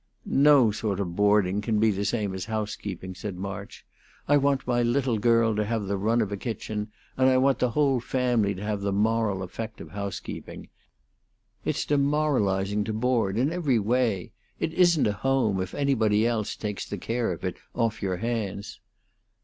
"No sort of boarding can be the same as house keeping," said March. "I want my little girl to have the run of a kitchen, and I want the whole family to have the moral effect of housekeeping. It's demoralizing to board, in every way; it isn't a home, if anybody else takes the care of it off your hands."